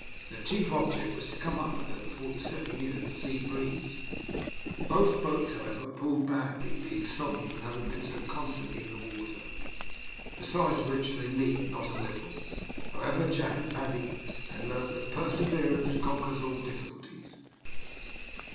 Their chief object was to come up with her before the setting in of the sea breeze. Both boats, however, pulled badly, being soddened from having been so constantly in the water, besides which they leaked not a little. However, Jack and Paddy had learned that perseverance conquers all difficulties.